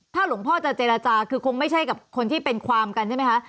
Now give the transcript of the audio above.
หลวงพ่อจะเจรจาคือคงไม่ใช่กับคนที่เป็นความกันใช่ไหมคะ